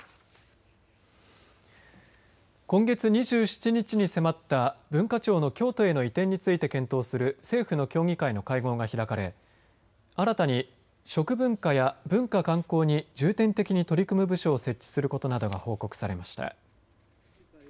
今月２７日に迫った文化庁の京都への移転について検討する政府の協議会の会合が開かれ新たに食文化や文化観光に重点的に取り組む部署を設置することなどが報告されました。